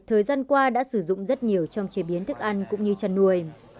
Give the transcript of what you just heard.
thời gian qua đã sử dụng rất nhiều trong chế biến thức ăn cũng như chăn nuôi